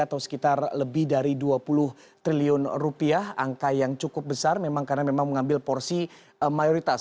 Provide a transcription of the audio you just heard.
atau sekitar lebih dari dua puluh triliun rupiah angka yang cukup besar memang karena memang mengambil porsi mayoritas